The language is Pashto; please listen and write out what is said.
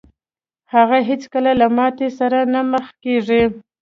هغه هېڅکله له ماتې سره نه مخ کېږي.